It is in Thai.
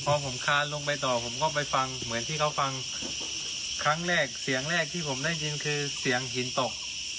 พอผมคานลงไปต่อผมก็ไปฟังเหมือนที่เขาฟังครั้งแรกเสียงแรกที่ผมได้ยินคือเสียงหินตก